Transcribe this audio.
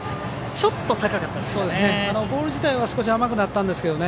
ちょっと高かったですかね。